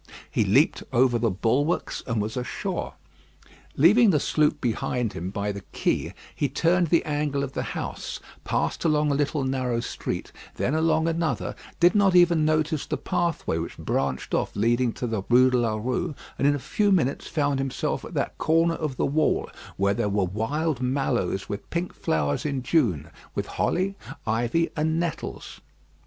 He leaped over the bulwarks, and was ashore. Leaving the sloop behind him by the quay, he turned the angle of the house, passed along a little narrow street, then along another, did not even notice the pathway which branched off leading to the Bû de la Rue, and in a few minutes found himself at that corner of the wall where there were wild mallows with pink flowers in June, with holly, ivy, and nettles.